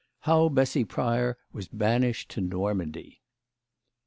HOW BESSY PRYOR WAS BANISHED TO NORMANDY.